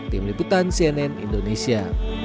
tim liputan cnn indonesia